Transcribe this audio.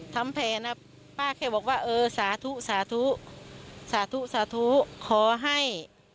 ทำแผนนะป้าแค่บอกว่าเออสาธุสาธุสาธุสาธุขอให้